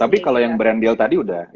tapi kalau yang brand deal tadi udah